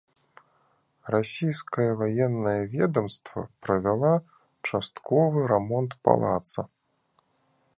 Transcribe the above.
Расійскае ваеннае ведамства правяла частковы рамонт палаца.